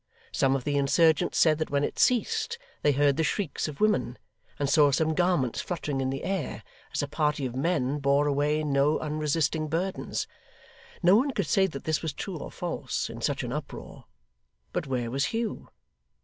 Some of the insurgents said that when it ceased, they heard the shrieks of women, and saw some garments fluttering in the air, as a party of men bore away no unresisting burdens. No one could say that this was true or false, in such an uproar; but where was Hugh?